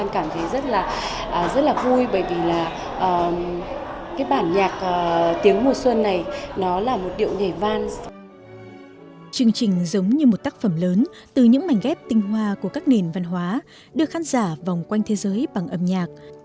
chương trình giống như một tác phẩm lớn từ những mảnh ghép tinh hoa của các nền văn hóa được khán giả vòng quanh thế giới bằng âm nhạc